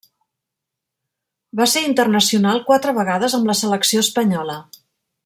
Va ser internacional quatre vegades amb la selecció espanyola.